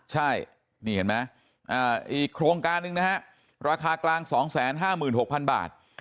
ใช่นี่เห็นไหมอีกโครงการหนึ่งนะฮะราคากลาง๒๕๖๐๐๐บาท